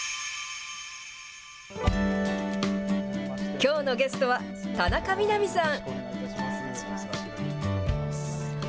きょうのゲストは、田中みな実さん。